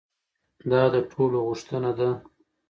دا د ټولو غوښتنه ده.